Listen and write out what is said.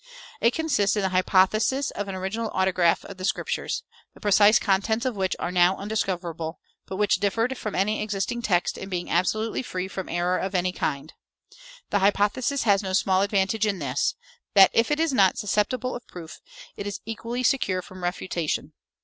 It consists in the hypothesis of an "original autograph" of the Scriptures, the precise contents of which are now undiscoverable, but which differed from any existing text in being absolutely free from error of any kind. The hypothesis has no small advantage in this, that if it is not susceptible of proof, it is equally secure from refutation.